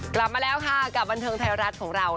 กลับมาแล้วค่ะกับบันเทิงไทยรัฐของเรา